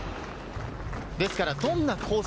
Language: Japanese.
ですから、どんなコース